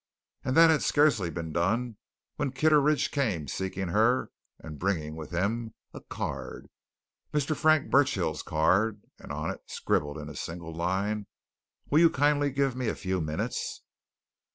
And that had scarcely been done when Kitteridge came seeking her and bringing with him a card: Mr. Frank Burchill's card, and on it scribbled a single line: "Will you kindly give me a few minutes?"